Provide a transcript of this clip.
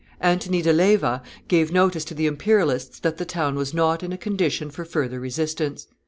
Antony de Leyva gave notice to the Imperialists that the town was not in a condition for further resistance.